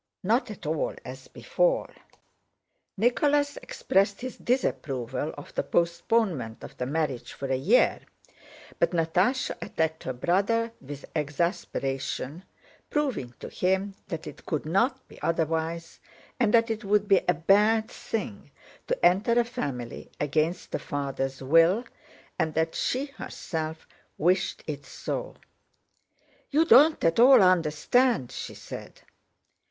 Not at all as before." Nicholas expressed his disapproval of the postponement of the marriage for a year; but Natásha attacked her brother with exasperation, proving to him that it could not be otherwise, and that it would be a bad thing to enter a family against the father's will, and that she herself wished it so. "You don't at all understand," she said.